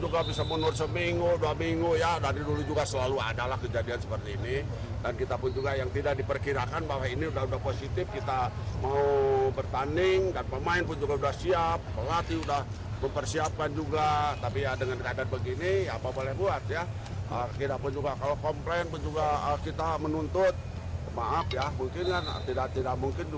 kita menuntut maaf ya mungkin tidak mungkin juga ada perubahan apa apa ya